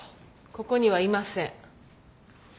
ここにはいません。